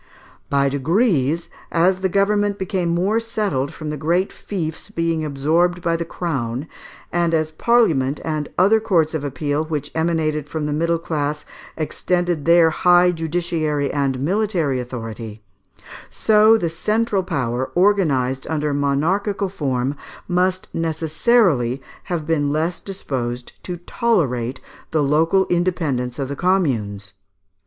By degrees, as the government became more settled from the great fiefs being absorbed by the Crown, and as parliament and other courts of appeal which emanated from the middle class extended their high judiciary and military authority, so the central power, organized under monarchical form, must necessarily have been less disposed to tolerate the local independence of the Communes.